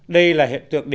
đây là hiện tượng này